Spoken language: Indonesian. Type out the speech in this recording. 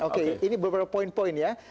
oke ini beberapa poin poin ya